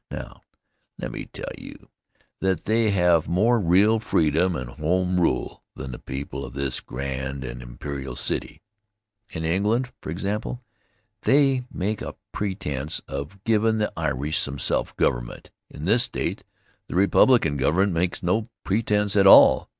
Now, let me tell you that they have more real freedom and home rule than the people of this grand and imperial city. In England, for example, they make a pretense of givin' the Irish some self government In this State the Republican government makes no pretense at all.